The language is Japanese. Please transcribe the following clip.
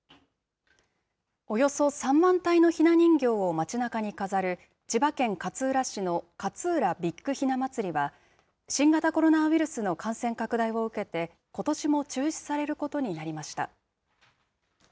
およそ３万体のひな人形を街なかに飾る、千葉県勝浦市のかつうらビッグひな祭りは、新型コロナウイルスの感染拡大を受けて、ことしも中止されることになりました。